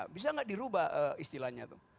bisa tidak dirubah istilahnya itu